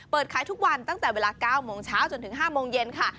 ขายทุกวันตั้งแต่เวลา๙โมงเช้าจนถึง๕โมงเย็นค่ะ